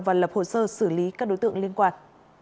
và lập hồ sơ xử lý các đối tượng liên quan